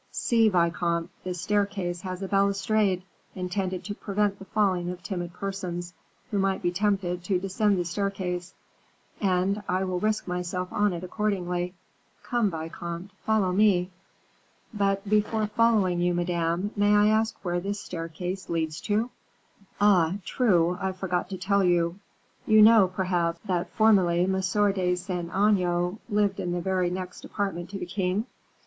"See, vicomte, the staircase has a balustrade, intended to prevent the falling of timid persons, who might be tempted to descend the staircase; and I will risk myself on it accordingly. Come, vicomte, follow me!" "But before following you, madame, may I ask where this staircase leads to?" "Ah, true; I forgot to tell you. You know, perhaps, that formerly M. de Saint Aignan lived in the very next apartment to the king?"